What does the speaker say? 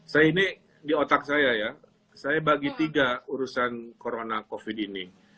saya ini di otak saya ya saya bagi tiga urusan corona covid ini